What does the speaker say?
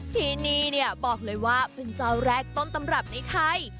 ที่นี่เนี่ยบอกเลยว่าเป็นเจ้าแรกต้นตำรับในไทย